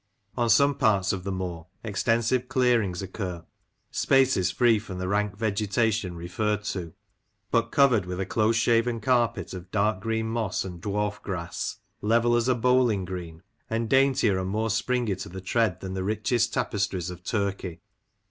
On some parts of the moor extensive clearings occur, spaces free from the rank vegetation referred to, but covered with a close shaven carpet of dark green moss and dwarf grass, level as a bowling green; and daintier, and more springy to the tread than the richest tapestries of Turkey.